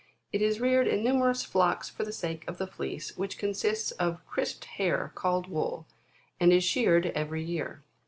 It is reared in numerous flocks, for the sake of the fleece, which consists of crisped hair called wool, and is sheared every year.